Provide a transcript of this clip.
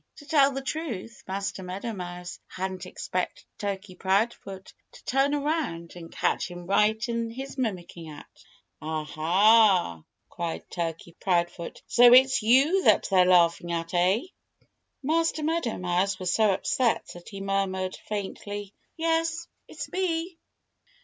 To tell the truth, Master Meadow Mouse hadn't expected Turkey Proudfoot to turn around and catch him right in his mimicking act. "Ah, ha!" cried Turkey Proudfoot. "So it's you that they're laughing at, eh?" Master Meadow Mouse was so upset that he murmured faintly, "Yes, it's me."